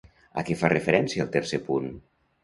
A què fa referència el tercer punt?